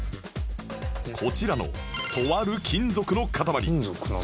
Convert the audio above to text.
こちらのとある金属の塊